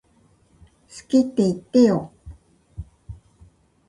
好きって言ってよ